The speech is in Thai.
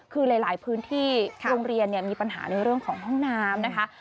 คือหลายพื้นที่โรงเรียนมีปัญหาในเรื่องของห้องน้ำนะคะ